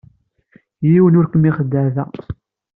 Yiwen ur kem-ixeddeɛ da.